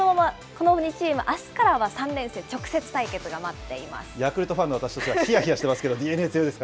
このままこの２チームあすからは３連戦、直接対決が待っています。